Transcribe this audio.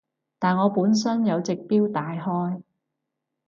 但我本身有隻錶戴開